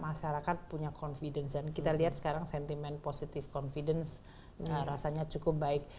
masyarakat punya confidence dan kita lihat sekarang sentimen positif confidence rasanya cukup baik